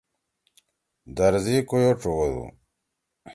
درزی کویو ڇُوَدُو۔